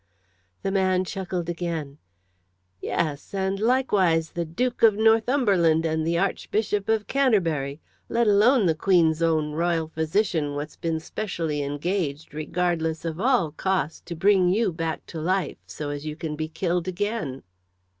The man chuckled again. "Yes; and likewise the Dook of Northumberland and the Archbishop of Canterbury. Let alone the Queen's own R'yal physician, what's been specially engaged, regardless of all cost, to bring you back to life, so as you can be killed again."